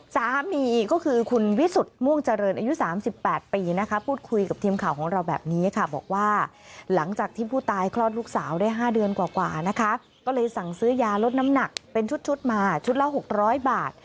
สามีก็คือคุณวิสุทธิ์ม่วงเจริญอายุ๓๘ปี